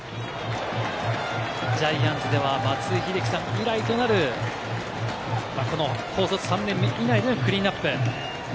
ジャイアンツでは松井秀喜さん以来となる高卒３年目以内でのクリーンナップ。